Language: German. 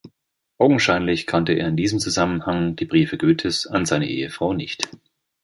Augenscheinlich kannte er in diesem Zusammenhang die Briefe Goethes an seine Ehefrau nicht.